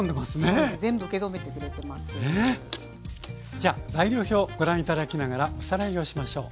じゃあ材料表をご覧頂きながらおさらいをしましょう。